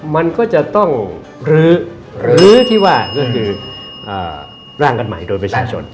มันก็จะต้องลื้อหรือที่ว่าก็คือร่างกันใหม่โดยประชาชน